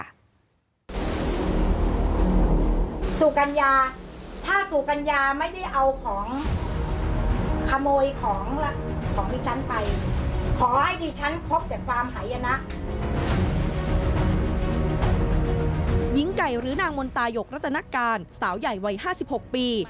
หญิงไก่หรือนางมนตายกรัตนการสาวใหญ่วัย๕๖ปี